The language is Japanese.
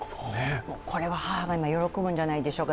これは母が今、喜ぶんじゃないでしょうか。